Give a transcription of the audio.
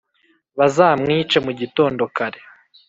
bazamwice mu gitondo kare